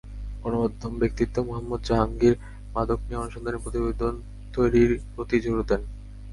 গণমাধ্যম ব্যক্তিত্ব মুহাম্মদ জাহাঙ্গীর মাদক নিয়ে অনুসন্ধানী প্রতিবেদন তৈরির প্রতি জোর দেন।